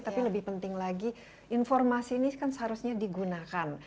tapi lebih penting lagi informasi ini kan seharusnya digunakan